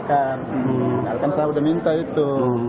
alhamdulillah saya sudah minta itu